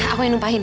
aku yang lupain